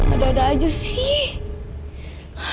ada ada aja sih